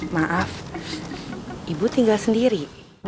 maaf ibu tinggal sendiri